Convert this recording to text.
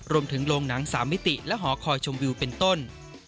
โรงหนัง๓มิติและหอคอยชมวิวเป็นต้น